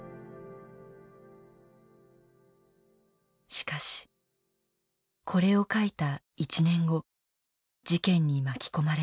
しかしこれを書いた１年後事件に巻き込まれました。